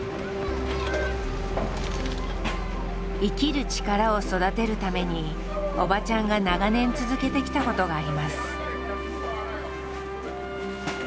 生きる力を育てるためにおばちゃんが長年続けてきたことがあります。